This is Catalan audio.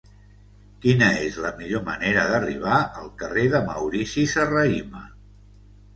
Quina és la millor manera d'arribar al carrer de Maurici Serrahima?